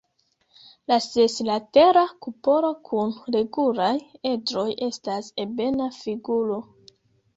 La seslatera kupolo kun regulaj edroj estas ebena figuro.